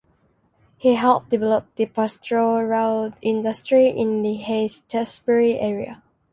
He helped develop the pastoral industry in the Heytesbury area.